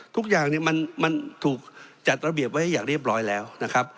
ทุกอย่างเนี่ยมันถูกจัดระเบียบไว้อย่างเรียบร้อยแล้วนะครับ